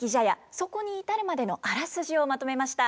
そこに至るまでのあらすじをまとめました。